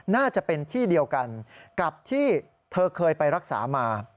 น่าจะเป็นที่เดียวกันกับที่เธอเคยไปรักษามา